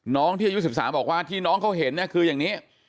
น้องที่อายุ๑๓บอกว่าที่น้องเขาเห็นเนี่ยคืออย่างนี้